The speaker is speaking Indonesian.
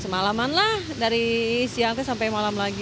semalaman lah dari siang itu sampai malam lagi